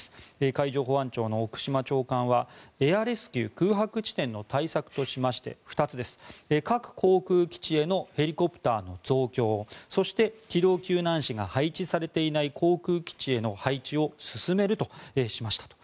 海上保安庁の奥島長官はエアレスキュー空白地点への対策として２つです、各航空基地へのヘリコプターの増強そして、機動救難士が配置されていない航空基地への配置を進めるとしましたと。